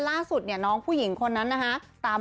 ล่าสุดเนี่ยน้องผู้หญิงคนนั้นนะคะ